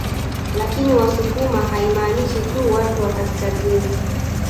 Lakini wasukuma haimaanishi tu watu wa kaskazini